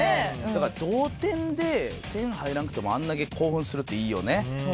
だから同点で点入らんくてもあんだけ興奮するっていいよね。